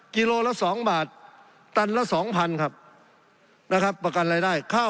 กิโลละ๒บาทตันละ๒๐๐๐ครับนะครับประกันรายได้